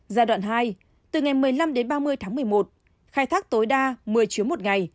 giai đoạn hai từ ngày một mươi năm đến ba mươi tháng một mươi một khai thác tối đa một mươi chuyến một ngày